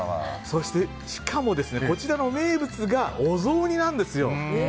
そして、しかもこちらの名物がお雑煮なんです。